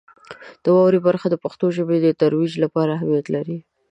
د واورئ برخه د پښتو ژبې د ترویج لپاره اهمیت لري.